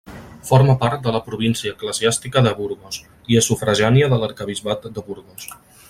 Forma part de la província eclesiàstica de Burgos, i és sufragània de l'arquebisbat de Burgos.